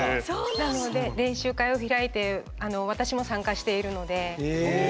なので練習会を開いてあの私も参加しているので。